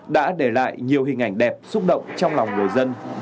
đã để lại nhiều hình ảnh đẹp xúc động trong lòng người dân